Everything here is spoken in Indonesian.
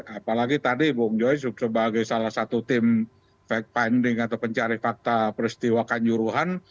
apalagi tadi bung joy sebagai salah satu tim fact finding atau pencari fakta peristiwa kanjuruhan